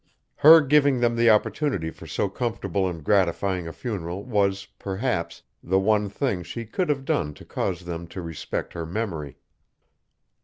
Her giving them the opportunity for so comfortable and gratifying a funeral was, perhaps, the one thing she could have done to cause them to respect her memory.